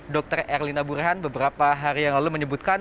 dr erlina burhan beberapa hari yang lalu menyebutkan